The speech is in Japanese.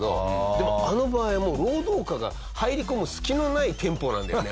でもあの場合はもう労働歌が入り込む隙のないテンポなんだよね。